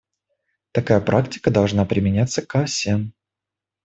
Такая практика должна применяться ко всем.